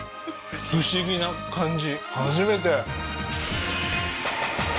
不思議な感じ